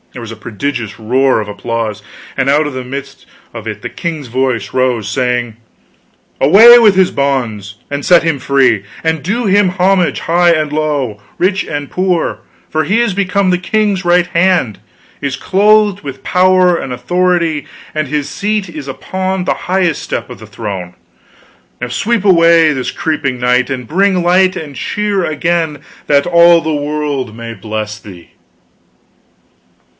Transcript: There was a prodigious roar of applause, and out of the midst of it the king's voice rose, saying: "Away with his bonds, and set him free! and do him homage, high and low, rich and poor, for he is become the king's right hand, is clothed with power and authority, and his seat is upon the highest step of the throne! Now sweep away this creeping night, and bring the light and cheer again, that all the world may bless thee."